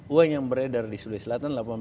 uang yang beredar di sulawesi selatan